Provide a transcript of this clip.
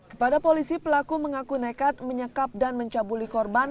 kepada polisi pelaku mengaku nekat menyekap dan mencabuli korban